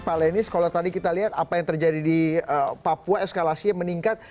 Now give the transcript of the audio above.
pak lenis kalau tadi kita lihat apa yang terjadi di papua eskalasinya meningkat